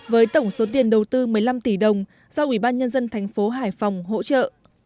với tổng số tiền đầu tư một mươi năm tỷ đồng do ủy ban nhân dân thành phố hải phòng hỗ trợ